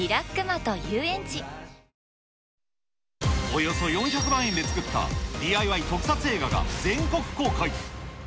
およそ４００万円で作ったＤＩＹ特撮映画が全国公開。